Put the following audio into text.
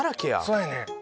そうやねん。